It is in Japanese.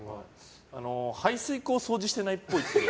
排水口を掃除してないっぽい。